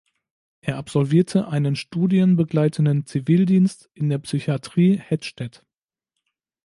Er absolvierte einen Studien begleitenden Zivildienst in der Psychiatrie Hettstedt.